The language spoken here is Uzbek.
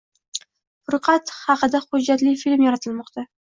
Furqat haqida hujjatli film yaratilmoqda